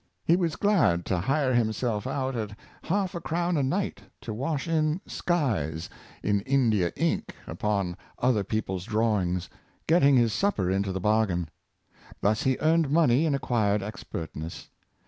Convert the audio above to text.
He was glad to hire himself out at half a crown a night to wash in skies in Indian ink upon other people's drawings, getting his supper into the bargain. Thus he earned money and acquired expertness.